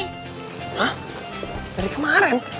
hah dari kemaren